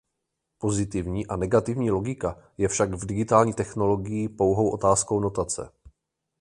Pozitivní a negativní logika je však v digitální technologii pouhou otázkou notace.